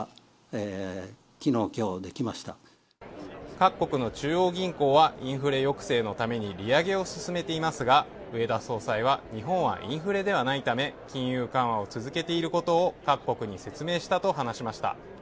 各国の中央銀行はインフレ抑制のために利上げを進めていますが、植田総裁は、日本はインフレではないため、金融緩和を続けていることを各国に説明したと話しました。